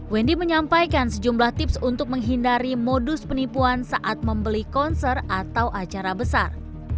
wendy menyampaikan sejumlah tips untuk menghindari modus penipuan saat membeli konser atau acara besar